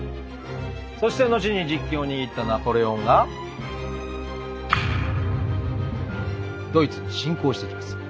そして後に実権を握ったナポレオンがドイツに侵攻してきます。